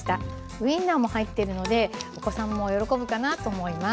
ウインナーも入ってるのでお子さんも喜ぶかなと思います。